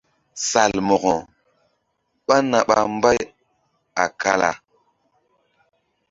Salmo̧ko ɓá na ɓa mbay a kala.